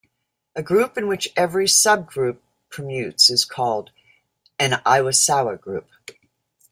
A group in which every subgroup permutes is called an Iwasawa group.